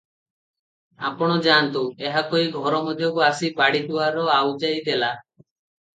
ଆପଣ ଯାଆନ୍ତୁ" ଏହା କହି ଘର ମଧ୍ୟକୁ ଆସି ବାଡ଼ି ଦୁଆର ଆଉଜାଇ ଦେଲା ।